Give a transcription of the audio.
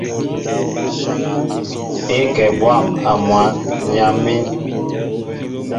É kɛ bwâm a mwǎn , ǹ yam̀ín.